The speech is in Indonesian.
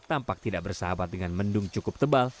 tampak tidak bersahabat dengan mendung cukup tebal